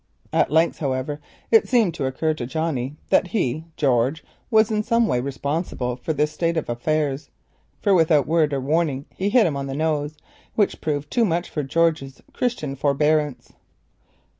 At length, however, it seemed to occur to Johnnie that he, George, was in some way responsible for this state of affairs, for without word or warning he hit him on the nose. This proved too much for George's Christian forbearance.